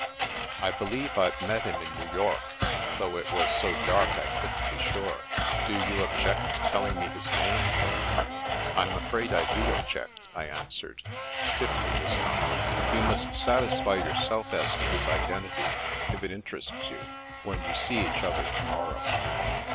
" I believe I've met him in New York, though it was so dark I couldn't be sure. Do you object to telling me his name ?'" I'm afraid I do object," I answered, stiffly this time. " You must satisfy yourself as to his iden tity, if it interests you, when you see each other to morrow."